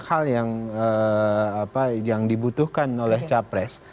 hal yang dibutuhkan oleh capres